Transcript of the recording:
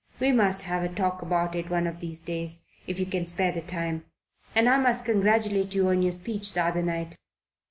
We must have a talk about it one of these days, if you can spare the time. And I must congratulate you on your speech the other night."